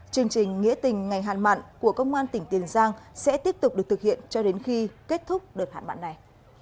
chương trình nghĩa tình ngày hạn mặn của công an tỉnh tiền giang sẽ tiếp tục được thực hiện cho đến khi kết thúc đợt hạn mặn này